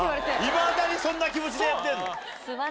いまだにそんな気持ちでやってんの？